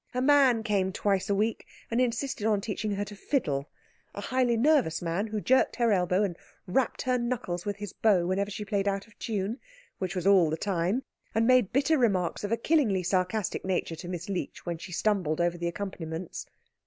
A man came twice a week and insisted on teaching her to fiddle; a highly nervous man, who jerked her elbow and rapped her knuckles with his bow whenever she played out of tune, which was all the time, and made bitter remarks of a killingly sarcastic nature to Miss Leech when she stumbled over the accompaniments.